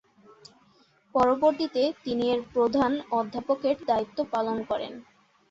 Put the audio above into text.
পরবর্তিতে তিনি এর প্রধান অধ্যাপকের দায়িত্ব পালন করেন।